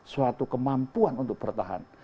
suatu kemampuan untuk bertahan